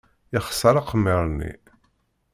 Yexṣer aqemmer-nni.